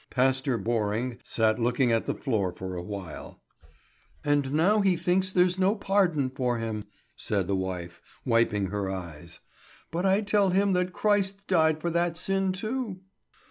Pastor Borring sat looking at the floor for a little while. "And now he thinks there's no pardon for him," said the wife, wiping her eyes. "But I tell him that Christ died for that sin too?"